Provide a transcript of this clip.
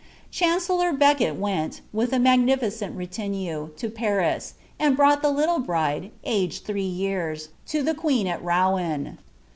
Chancellor Becket went, with a magnificent retinue, to Paris, and brought the little bride, aged three yean, to the queen at Rouen.